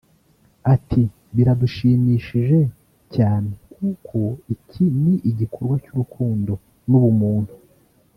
Ati “ Biradushimishije cyane kuko iki ni igikorwa cy’urukundo n’ubumuntu